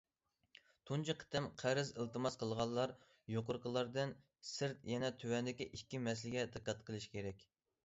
تۇنجى قېتىم قەرز ئىلتىماس قىلغانلار يۇقىرىقىلاردىن سىرت يەنە تۆۋەندىكى ئىككى مەسىلىگە دىققەت قىلىشى كېرەك.